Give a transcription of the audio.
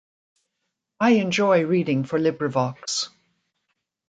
I enjoy reading for Librivox.